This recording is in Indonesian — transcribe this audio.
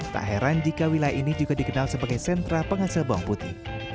tak heran jika wilayah ini juga dikenal sebagai sentra penghasil bawang putih